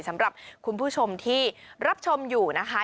สำหรับคุณผู้ชมที่รับชมอยู่นะคะ